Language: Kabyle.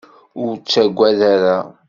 Ur ttagad ara.